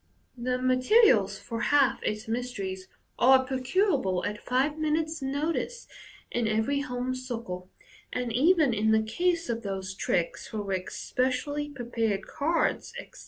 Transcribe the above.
The materials for half its mysteries are procurable at five minutes' notice in every home circle j and, even in the case of those tricks for which specially prepared cards, etc.